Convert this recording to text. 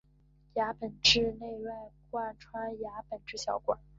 牙本质内外贯穿牙本质小管。